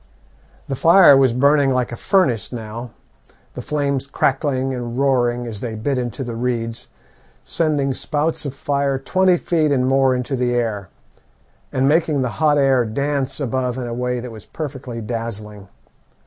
The fire was burning like a furnace now; the flames crackling and roaring as they bit into the reeds, sending spouts of fire twenty feet and more into the air, and making the hot air dance above in a way that was perfectly dazzling.